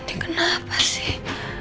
ini kenapa sih